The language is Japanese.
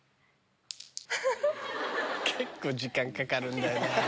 結構時間かかるんだよな。